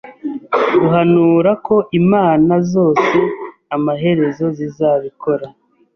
duhanura ko imana zose amaherezo zizabikora